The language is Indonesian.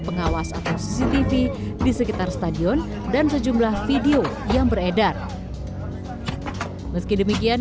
pengawas atau cctv di sekitar stadion dan sejumlah video yang beredar meski demikian